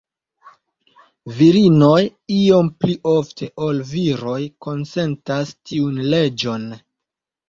Virinoj iom pli ofte ol viroj konsentas tiun leĝon.